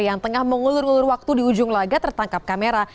yang tengah mengulur ulur waktu di ujung laga tertangkap kamera